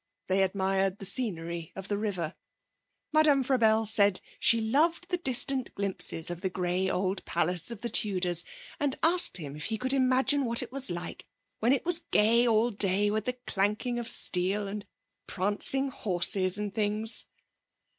They admired the scenery of the river. Madame Frabelle said she loved the distant glimpses of the grey old palace of the Tudors, and asked him if he could imagine what it was like when it was gay all day with the clanking of steel and prancing horses and things.